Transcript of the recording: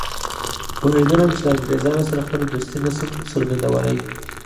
پوهېدلم چې له انګریزانو سره خپله دوستي نه شم څرګندولای.